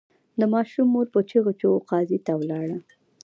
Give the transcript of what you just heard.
د ماشوم مور په چیغو چیغو قاضي ته ولاړه.